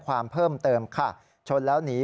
เพิ่มเติมค่ะชนแล้วหนี